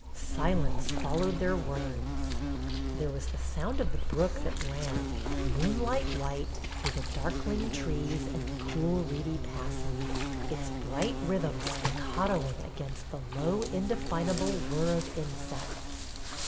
Silence followed their words. There was the. sound of the brook that ran, moonlight white, through the darkling trees and cool reedy passes, its bright rhythm staccatoing against the low indefinable whir of insects.